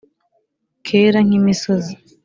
kera nkimisozi